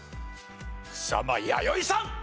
草間彌生さん！